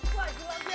tahanlah kali ya